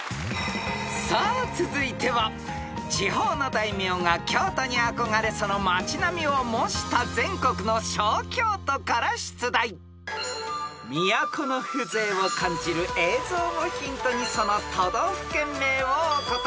［さあ続いては地方の大名が京都に憧れその町並みを模した全国の小京都から出題］［都の風情を感じる映像をヒントにその都道府県名をお答えください］